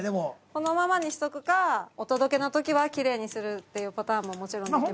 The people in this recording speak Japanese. ◆このままにしとくかお届けのときはきれいにするっていうパターンももちろん、できますし。